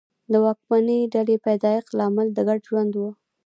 د واکمنې ډلې پیدایښت لامل د ګډ ژوند و